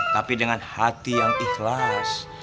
tapi dengan hati yang ikhlas